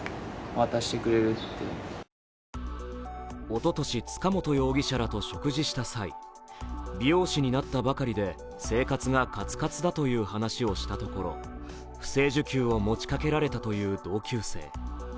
おととし、塚本容疑者らと食事した際、美容師になったばかりで生活がカツカツだという話をしたところ、不正受給をもちかけられたという同級生。